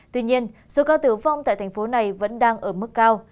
tuy nhiên số ca tử vong tại tp hcm vẫn đang ở mức cao